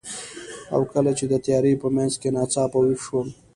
او کله چې د تیارې په منځ کې ناڅاپه ویښ شوم،